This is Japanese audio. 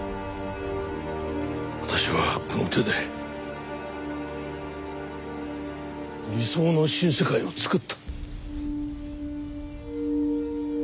私はこの手で理想の新世界を作った。